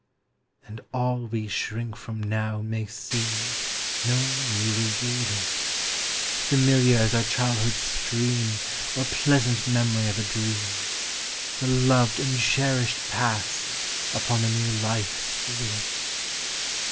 And all we shrink from now may seem No new revealing, — Familiar as our childhood's stream, Or pleasant memory of a dream, The loved and cherished Past upon the new life stealing.